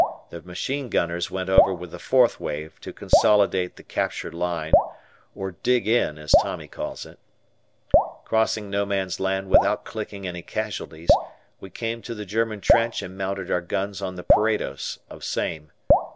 The machine gunners went over with the fourth wave to consolidate the captured line or "dig in" as Tommy calls it. Crossing No Man's Land without clicking any casualties, we came to the German trench and mounted our guns on the parados of same.